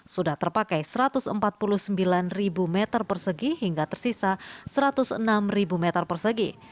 sudah terpakai satu ratus empat puluh sembilan meter persegi hingga tersisa satu ratus enam meter persegi